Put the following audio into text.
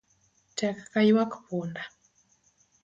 Tek ka ywak punda